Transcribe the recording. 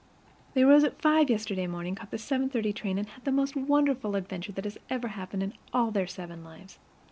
They rose at five yesterday morning, caught the 7:30 train, and had the most wonderful adventure that has happened in all their seven lives.